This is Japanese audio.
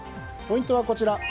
ポイントはこちら。